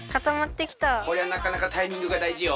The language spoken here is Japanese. これはなかなかタイミングがだいじよ。